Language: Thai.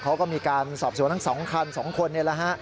เขาก็มีการสอบส่วนทั้ง๒คัน๒คนเลย